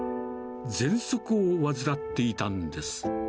ぜんそくを患っていたんです。